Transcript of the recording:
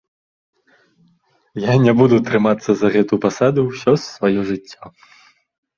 Я не буду трымацца за гэту пасаду ўсё сваё жыццё.